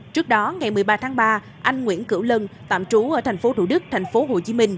trước đó ngày một mươi ba tháng ba anh nguyễn cửu lân tạm trú ở tp thủ đức tp hcm